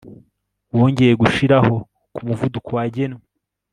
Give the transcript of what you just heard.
wongeye gushiraho kumuvuduko wagenwe